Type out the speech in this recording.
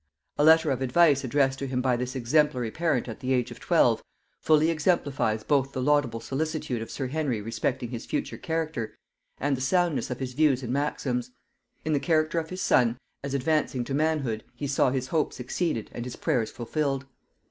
A letter of advice addressed to him by this exemplary parent at the age of twelve, fully exemplifies both the laudable solicitude of sir Henry respecting his future character, and the soundness of his views and maxims: in the character of his son, as advancing to manhood, he saw his hopes exceeded and his prayers fulfilled.